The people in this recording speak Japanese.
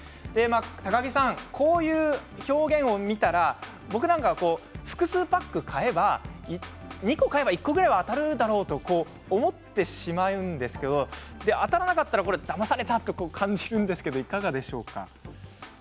高木さん、こういう表現を見たら僕なんか複数パック買えば２個買えば１個ぐらい当たるだろうと思ってしまうんですけど当たらなかったらだまされたと感じるんですがいかがでしょうか？